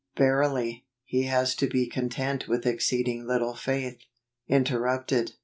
Verily, He has to be content with exceeding little faith. Interrupted.